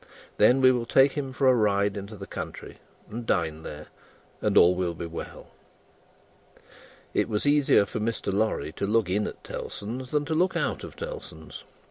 Then, we will take him a ride into the country, and dine there, and all will be well." It was easier for Mr. Lorry to look in at Tellson's, than to look out of Tellson's.